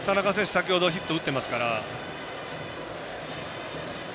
先ほどヒット打ってますから。